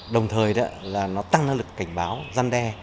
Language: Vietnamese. đồng thời nó tăng năng lực cảnh báo giăn đe